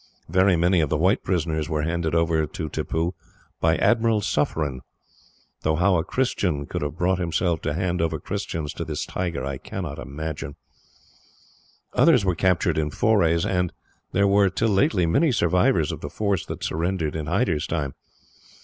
Very many of the white prisoners were handed over to Tippoo by Admiral Sufferin. Though how a Christian could have brought himself to hand over Christians to this tiger, I cannot imagine. "Others were captured in forays, and there were, till lately, many survivors of the force that surrendered in Hyder's time.